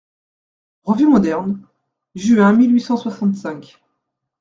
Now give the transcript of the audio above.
REVUE MODERNE, juin mille huit cent soixante-cinq.